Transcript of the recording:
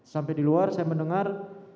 sampai di luar saya mendengar